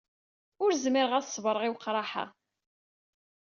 Ur zmireɣ ad ṣebreɣ i weqraḥ-a.